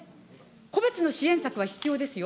個別の支援策は必要ですよ。